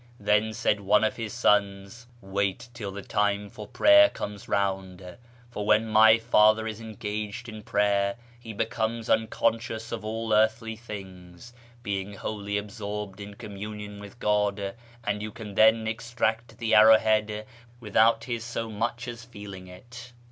Then said one of his sons, " Wait till the time for prayer comes round, for when my father is engaged in prayer he becomes uncon scious of all earthly things, being wholly absorbed in com munion with God, and you can then extract the arrow head without his so much as feeling it."